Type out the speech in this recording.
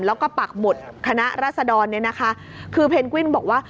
แล้วก็ปักหมุดคณะราษฎรคือเพนกวินบอกว่า